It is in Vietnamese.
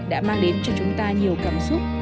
đã mang đến cho chúng ta nhiều cảm xúc